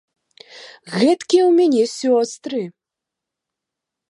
Гэткія ў мяне сёстры!